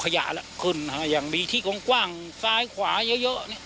ขยะละขึ้นหรือหยั่งมีที่ก็กว้างซ้ายขวาเยอะ